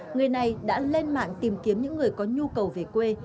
người này đã lên mạng tìm kiếm những người có nhu cầu về quê